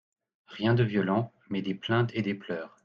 Rien de violent, mais des plaintes et des pleurs.